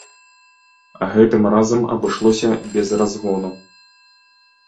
Гэтым разам абышлося без разгону.